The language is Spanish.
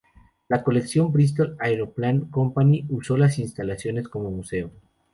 La colección Bristol Aeroplane Company usó las instalaciones como museo.